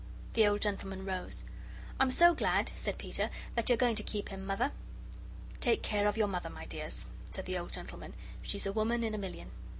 The old gentleman rose. "I'm so glad," said Peter, "that you're going to keep him, Mother." "Take care of your Mother, my dears," said the old gentleman. "She's a woman in a million."